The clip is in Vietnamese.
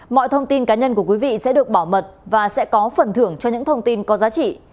mọi thông tin cá nhân của quý vị sẽ được bảo mật và sẽ có phần thưởng cho những thông tin có giá trị